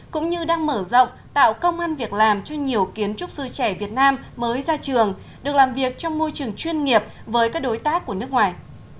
cũng như đang mở rộng tạo công an việc làm cho nhiều kiến trúc sư trẻ việt nam mới ra trường được làm việc trong môi trường chuyên nghiệp với các đối tác của nước ngoài